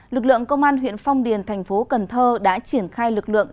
lực lượng công an huyện phong điền thành phố cần thơ đã triển khai lực lượng